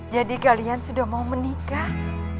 jadi kalian sudah mau menikah